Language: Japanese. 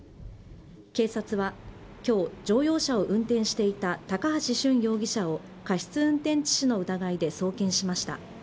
警察は今日乗用車を運転していた高橋俊容疑者を過失運転致死の疑いで送検しました。